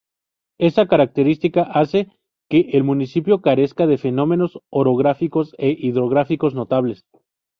Esta característica hace que el municipio carezca de fenómenos orográficos e hidrográficos notables.